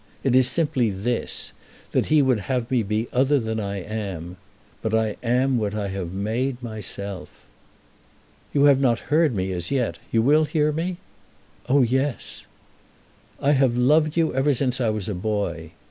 It is simply this, that he would have me to be other than I am. But I am what I have made myself." "You have not heard me as yet. You will hear me?" "Oh, yes." "I have loved you ever since I was a boy."